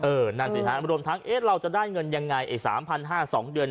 เออนั่นสิครับรวมทางเอสเราจะได้เงินยังไง๓๕๐๐บาท๒เดือน